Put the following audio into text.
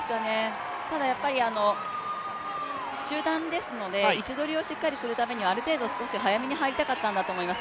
ただ、集団ですので位置取りをしっかりするためにはある程度、少し早めに入りたかったんだと思います。